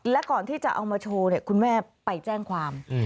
และก่อนที่จะเอามาโชว์คุณแม่ไปแจ้งความ